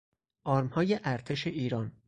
آرمهای ارتش ایران